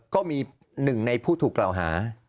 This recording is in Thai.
ก็มีหนึ่งในผู้ถูกกล่าวหา